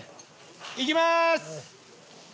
いきまーす！